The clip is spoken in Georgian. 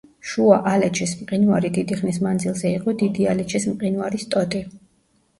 შუა ალეჩის მყინვარი დიდი ხნის მანძილზე იყო დიდი ალეჩის მყინვარის ტოტი.